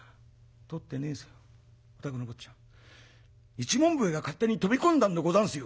一文笛が勝手に飛び込んだんでござんすよ」。